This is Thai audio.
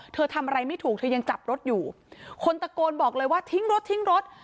ทำอะไรไม่ถูกเธอยังจับรถอยู่คนตะโกนบอกเลยว่าทิ้งรถทิ้งรถ